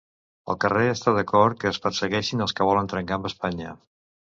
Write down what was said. El carrer està d'acord que es persegueixin als que volen trencar amb Espanya